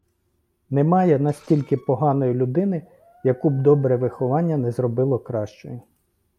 Немає настільки поганої людини, яку б добре виховання не зробило кращою.